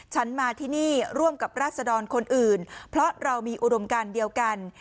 ฉันมาที่นี่ร่วมกับราษดรคนอื่นเพราะเรามีอุดมการเดียวกัน